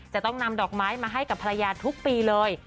จะต้องนำดอกไม้มาให้กับภรรยาทุกปีเลย